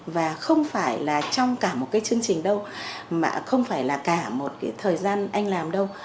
và không phải là trong cả một chương trình đâu không phải là cả một thời gian anh làm đâu